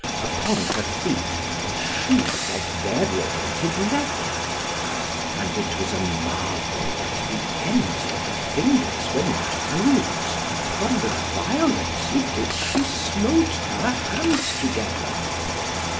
Upon her feet were shoes of variegated leather. And it was a marvel that the ends of her fingers were not bruised, from the violence with which she smote her hands together.